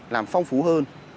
làm phong phú hơn